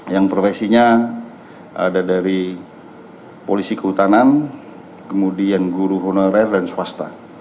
yang profesinya ada dari polisi kehutanan kemudian guru honorer dan swasta